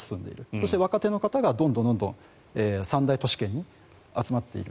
そして、若手の方がどんどん三大都市圏に集まっている。